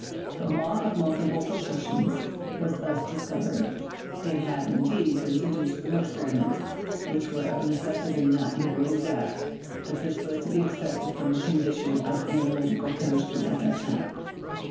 The "law of multiple proportions" was thus discovered; it had, indeed, been deduced from ex periments which were of necessity not very exact, but this was to be expected from the condition of analytical chemistry at that time.